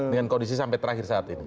dengan kondisi sampai terakhir saat ini